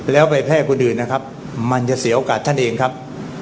แล้วไปแพร่คนอื่นนะครับมันจะเสียโอกาสท่านเองครับ